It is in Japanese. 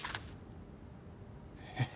えっ？